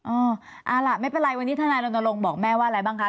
เอาล่ะไม่เป็นไรวันนี้ทนายรณรงค์บอกแม่ว่าอะไรบ้างคะ